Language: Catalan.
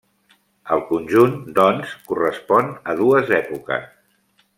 El conjunt, doncs, correspon a dues èpoques.